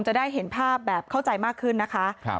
จะได้เห็นภาพแบบเข้าใจมากขึ้นนะคะ